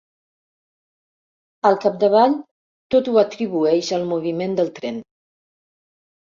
Al capdavall, tot ho atribueix al moviment del tren.